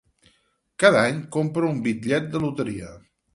Cada any, compra un bitllet de loteria.